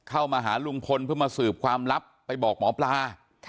เข้ามาหาลุงพลเพื่อมาสืบความลับไปบอกหมอปลา